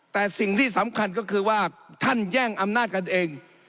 แต่สิ่งที่สำคัญก็คือว่าท่านแย่งอำนาจกันเอง